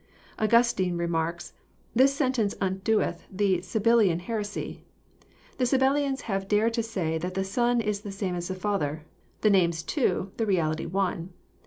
Augustine remarks: <'This sentence nndoeth the Sabellian heresy. The Sabellians have dared to say that the Son is the same as the Father : the names two, the reality one.